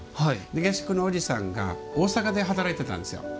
下宿のおじさんが大阪で働いてたんですよ。